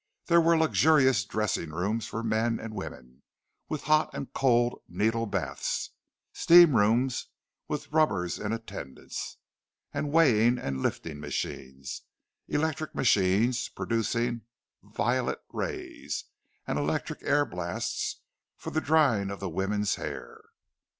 There were luxurious dressing rooms for men and women, with hot and cold needle baths, steam rooms with rubbers in attendance and weighing and lifting machines, electric machines for producing "violet rays," and electric air blasts for the drying of the women's hair.